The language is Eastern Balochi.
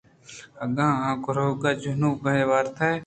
اگاں گُرکاں جَئوبُہ وارتیں